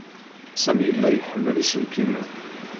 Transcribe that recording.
Sami yella iḥemmel iselkimen.